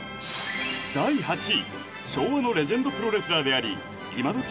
第８位昭和のレジェンドプロレスラーであり今どき